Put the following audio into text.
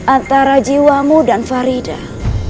antara jiwamu dan faridah